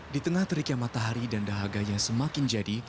di tengah terikian matahari dan dahagaya semakin jadi